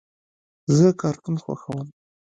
زه کارټون خوښوم.